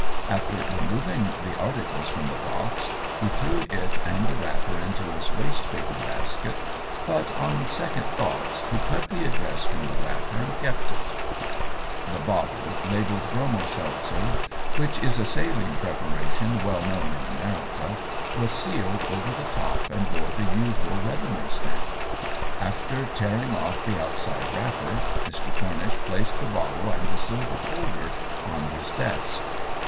After removing the articles from the box, he threw it and the wrapper into his wastepaper basket, but on second thoughts he cut the address from the wrapper and kept it. The bottle, labelled "Bromo seltzer," which is a saline preparation well known in America, was sealed over the top and bore the usual revenue stamp. After tearing off the outside wrapper, Mr. Cornish placed the bottle and the silver holder on his desk.